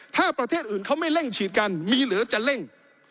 ถ้าประเทศอื่นเขาไม่เร่งฉีดกันมีเหลือจะเร่ง